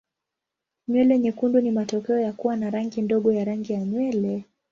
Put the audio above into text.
Nywele nyekundu ni matokeo ya kuwa na rangi ndogo ya rangi ya nywele.